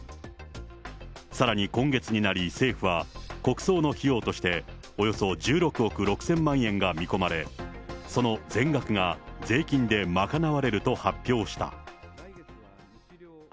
さらに今月になり、政府は、国葬の費用として、およそ１６億６０００万円が見込まれ、その全額が税金で賄われると発表した。